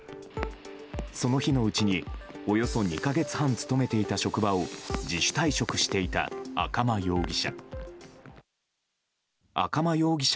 その日のうちに、およそ２か月半勤めていた職場を自主退職していた赤間容疑者。